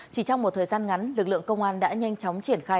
chỉ trong một thời gian ngắn lực lượng công an đã nhanh chóng triển khai